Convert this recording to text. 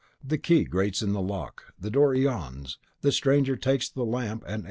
The key grates in the lock; the door yawns, the stranger takes the lamp and enters.